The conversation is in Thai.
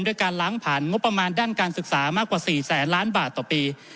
การล้างผ่านงบประมาณด้านการศึกษามากกว่า๔แสนล้านบาทต่อปี